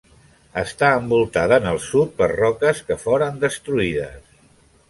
Estava envoltada en el sud per roques que foren destruïdes.